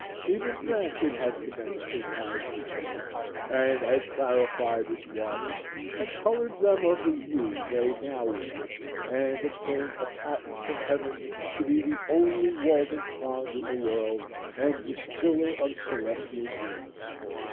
Even then it had commenced to rise and fall, and had clarified its waters and colored them of the hue they now wear, and obtained a patent of heaven to be the only Walden Pond in the world and distiller of celestial dews.